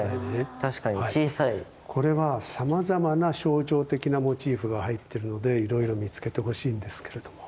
これはさまざまな象徴的なモチーフが入ってるのでいろいろ見つけてほしいんですけれども。